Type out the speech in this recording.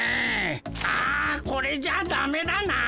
あこれじゃダメだなあ。